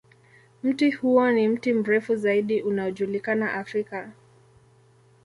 Mti huo ni mti mrefu zaidi unaojulikana Afrika.